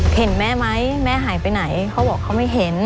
เห็นแม่ไหมแม่หายไปไหนเขาบอกเขาไม่เห็น